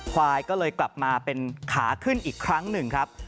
ควายก็เลยกลับมาเป็นขาขึ้นอีกครั้งหนึ่งครับ